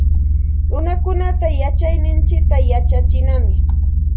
Runakunata yachayninchikta yachachinam